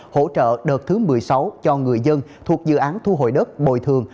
hỗ trợ đợt thứ một mươi sáu cho người dân thuộc dự án thu hồi đất bồi thường